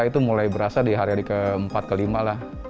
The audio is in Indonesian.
itu mulai berasa di hari hari keempat kelima lah